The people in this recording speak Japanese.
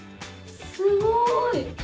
すごい！